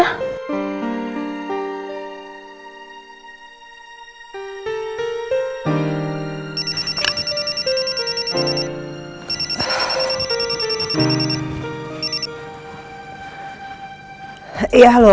itu saja mau berlalu